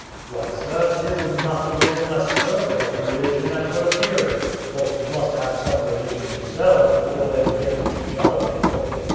Why, sir; 'tis enough to give them a surfeit of religion at first hearing; folks must have some religion themselves before they begin to teach other people."